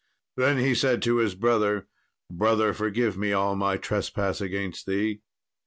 Then he said to his brother, "Brother, forgive me all my trespass against thee."